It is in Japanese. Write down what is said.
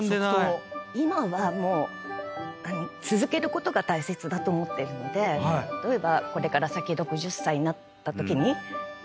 今はもう続けることが大切だと思ってるので例えばこれから先。